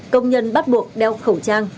công nhân bắt buộc đeo khẩu trang